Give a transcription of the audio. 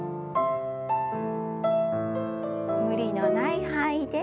無理のない範囲で。